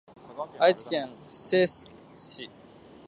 愛知県清須市